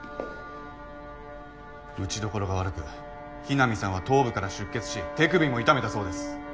打ちどころが悪く雛見さんは頭部から出血し手首も痛めたそうです。